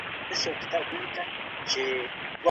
ته اوس د تاريخ پاڼې لولي.